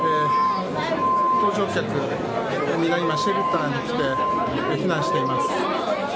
搭乗客は皆、今シェルターに来て避難しています。